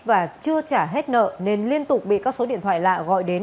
và chưa trả hết nợ nên liên tục bị các số điện thoại lạ gọi đến